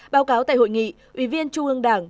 báo cáo tại hội nghị ủy viên trung ương đảng